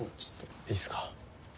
いいですか？